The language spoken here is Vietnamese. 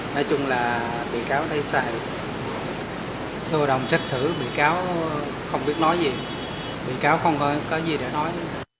nói chung là bị cáo đây xài thu đồng trách xử bị cáo không biết nói gì bị cáo không có gì để nói